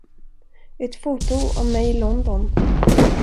Ett foto av mig i London!